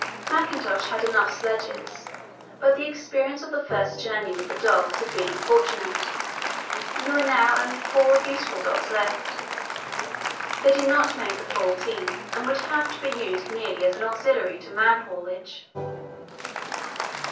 Mackintosh had enough sledges, but the experience of the first journey with the dogs had been unfortunate, and there were now only four useful dogs left. They did not make a full team and would have to be used merely as an auxiliary to man haulage.